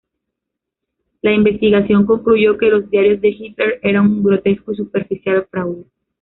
La investigación concluyó que los "Diarios de Hitler" eran un grotesco y superficial fraude.